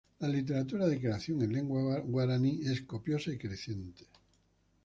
La literatura de creación en lengua guaraní es copiosa y creciente.